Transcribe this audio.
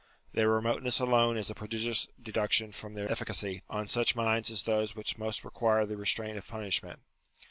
Their remoteness alone is a prodigious deduction from their efficacy, on such minds as those which most require the restraint of punishment.